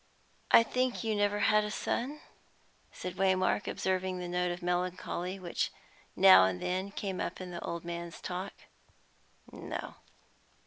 "I think you never had a son?" said Waymark, observing the note of melancholy which every now and then came up in the old man's talk. "No."